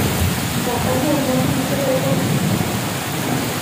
Kanpaina hondamen itzela izan zen.